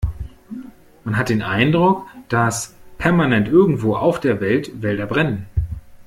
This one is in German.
Man hat den Eindruck, dass permanent irgendwo auf der Welt Wälder brennen.